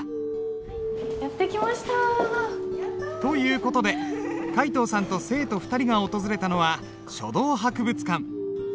やって来ました。という事で皆藤さんと生徒２人が訪れたのは書道博物館。